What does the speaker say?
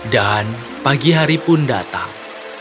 dan pagi hari pun datang